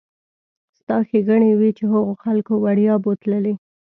ستا ښېګڼې وي چې هغو خلکو وړیا بوتللې.